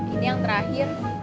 ini yang terakhir